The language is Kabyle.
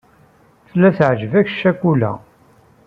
Tella teɛǧeb-ak ccakula.